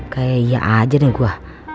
kayak iya aja deh gue